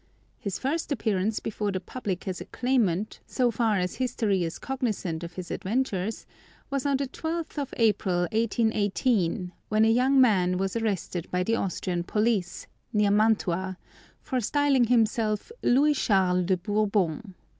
His first appearance before the public as a claimant, so far as history is cognizant of his adventures, was on the 12th of April, 1818, when a young man was arrested by the Austrian police, near Mantua, for styling himself Louis Charles de Bourbon.